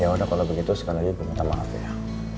ya udah kalau begitu sekali lagi minta maaf ya